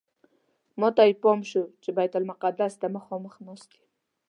ماته یې پام شو چې بیت المقدس ته مخامخ ناست یم.